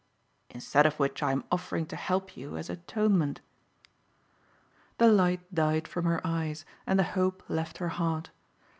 "Instead of which I am offering to help you as atonement." The light died from her eyes and the hope left her heart.